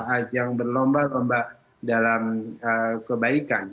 ajang berlomba lomba dalam kebaikan